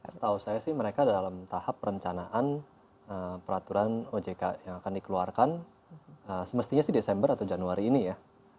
setahu saya sih mereka dalam tahap perencanaan peraturan ojk yang akan dikeluarkan semestinya sih desember atau januari ini ya